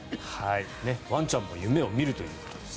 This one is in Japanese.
ワンちゃんも夢を見るということです。